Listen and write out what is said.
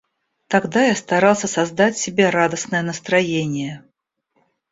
Тогда я старался создать себе радостное настроение.